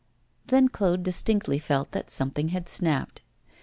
Then Claude distinctly felt that something had snapped.